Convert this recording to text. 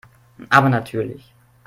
Aber natürlich.